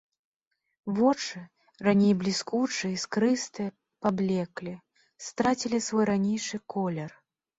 Вочы, раней бліскучыя, іскрыстыя, паблеклі, страцілі свой ранейшы колер.